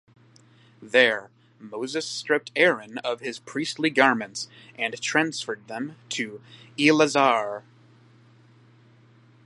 There Moses stripped Aaron of his priestly garments and transferred them to Eleazar.